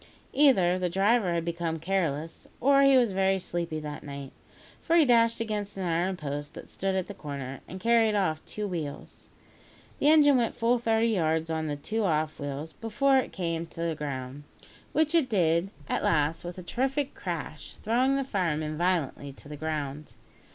Either the driver had become careless, or he was very sleepy that night, for he dashed against an iron post that stood at the corner, and carried off two wheels. The engine went full thirty yards on the two off wheels, before it came to the ground, which it did at last with a terrific crash, throwing the firemen violently to the ground.